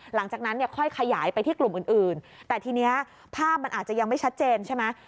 หลังจากนั้นเนี่ยค่อยขยายไปที่กลุ่มอื่นแต่ทีนี้ภาพมันอาจจะยังไม่ชัดเจนใช่ไหม